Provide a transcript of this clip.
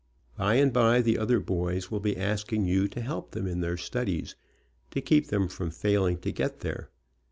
By and by the other boys will be asking you to help them in their studies, to keep them from failing to get there.